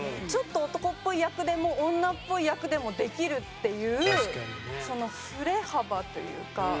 ちょっと男っぽい役でも女っぽい役でもできるっていうその振れ幅というか。